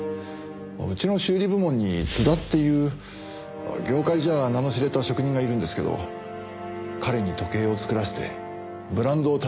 うちの修理部門に津田っていう業界じゃ名の知れた職人がいるんですけど彼に時計を作らせてブランドを立ち上げようって話で。